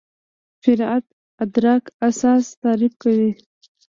معرفت ادراک اساس تعریف کوي.